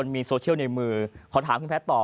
พอถามครุ่นแพทย์ต่อ